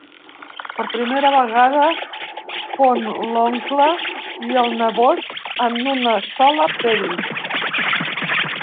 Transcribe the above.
Per primera vegada fon l'oncle i el nebot en una sola pell.